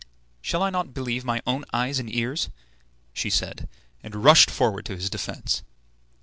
"Shall I not believe my own eyes and ears?" she said, and rushed forward to his defence.